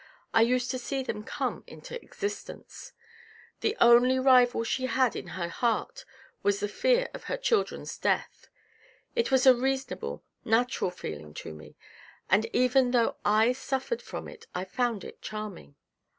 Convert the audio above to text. I used to see them come into existence. The only rival she had in her heart was the fear of her childrens' death. It was a reason able, natural feeling to me, and even though I suffered from it I found it charming.